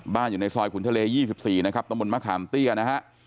บ้านอยู่ในซอยขุนทะเลยี่สิบสี่นะครับตรงบนมะขามเตี้ยนะฮะ